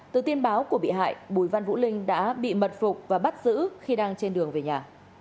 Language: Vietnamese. từ tin báo của bị hại bùi văn vũ linh đã bị mật phục và bắt giữ khi đang trên đường về nhà